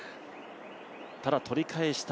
ただ取り返した。